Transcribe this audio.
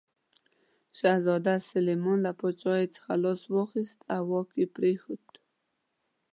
شهزاده سلیمان له پاچاهي څخه لاس واخیست او واک یې پرېښود.